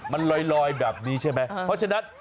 มันลอยแบบนี้ใช่ไหมเพราะฉะนั้น